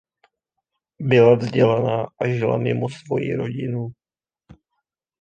Byla vzdělaná a žila mimo svoji rodinu.